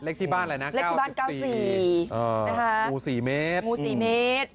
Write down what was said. เลขที่บ้านอะไรนะ๙๔นะคะงู๔เมตรงู๔เมตร